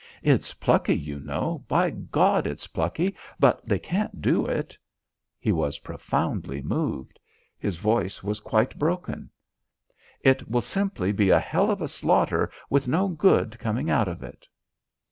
"It's plucky, you know! By Gawd, it's plucky! But they can't do it!" He was profoundly moved; his voice was quite broken. "It will simply be a hell of a slaughter with no good coming out of it."